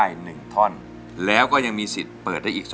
อินโทรเพลงที่๓มูลค่า๔๐๐๐๐บาทมาเลยครับ